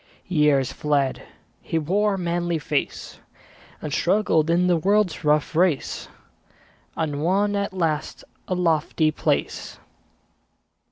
Years fled; he wore a manly face, And struggled in the world's rough race, And won at last a lofty place.